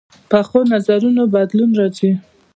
پخو نظرونو بدلون راځي